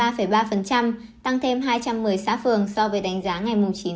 đến nay cả nước có hai trăm bốn mươi bốn xã phường thuộc vùng vàng chiếm ba ba